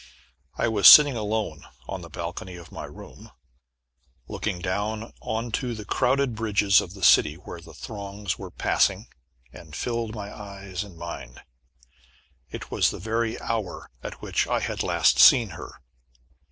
I was sitting alone on the balcony of my room, looking down on to the crowded bridges of the city where throngs were passing, and filled my eyes and mind. It was the very hour at which I had last seen her.